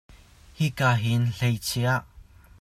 Hi ka hin hlei chia.